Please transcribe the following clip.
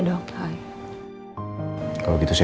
makanya nanti dulu